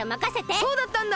そうだったんだ！